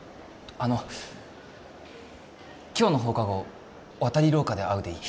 あの今日の放課後渡り廊下で会うでいい？